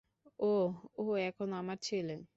ওহ, ও এখন আমার ছেলে?